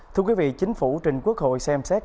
thưa quý vị chính phủ trình quốc hội xem xét